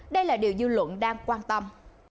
đây là điều dư luận đang quan tâm